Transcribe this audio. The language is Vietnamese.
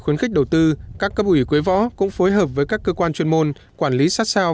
khuyến khích đầu tư các cấp ủy quế võ cũng phối hợp với các cơ quan chuyên môn quản lý sát sao